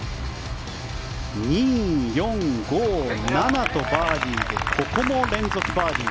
２、４、５、７とバーディーでここも連続バーディー。